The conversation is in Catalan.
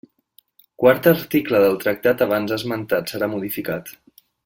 Quart article del tractat abans esmentat serà modificat.